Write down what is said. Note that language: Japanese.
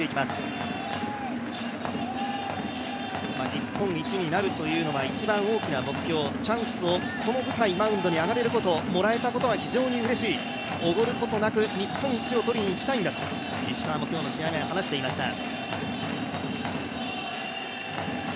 日本一になるというのは一番大きな目標、チャンスを、この舞台、マウンドに上がれることをもらえたことは非常にうれしいおごることなく日本一を取りに行きたいんだと石川も今日の試合前、話していました